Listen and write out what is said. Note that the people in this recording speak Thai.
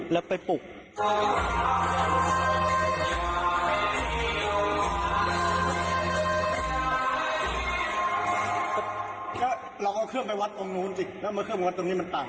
แล้วก็เครื่องไปวัดตรงนู้นจังแล้วมาเครื่องไปวัดตรงนี้มันต่าง